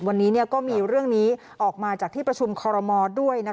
วันนี้ก็มีเรื่องนี้ออกมาจากที่ประชุมคอรมอลด้วย